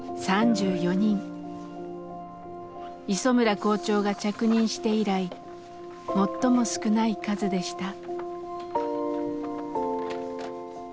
磯村校長が着任して以来最も少ない数でした。